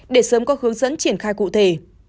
để sớm có hướng dẫn triển khai cụ thể